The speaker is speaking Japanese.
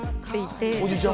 おじいちゃん